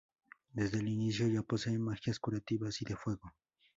Desde el inicio ya posee magias curativas y de fuego.